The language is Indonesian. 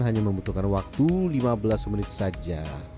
hanya membutuhkan waktu lima belas menit saja